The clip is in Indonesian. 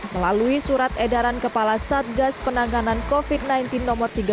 melalui surat edaran kepala satgas penanganan covid sembilan belas nomor tiga belas